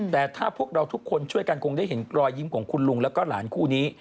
แต่ถ้าพวกเราทุกคนช่วยกันคงได้เห็นรอยยิ้มของคุณลุงแล้วก็หลานคู่นี้